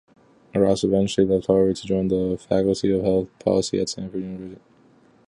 Rose eventually left Harvard to join the faculty of health policy at Stanford University.